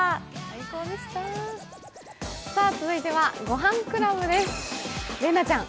続いては、「ごはんクラブ」です。